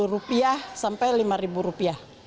dua rupiah sampai lima rupiah